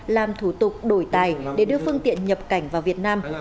làm thủ tục đổi tài để đưa phương tiện nhập cảnh vào việt nam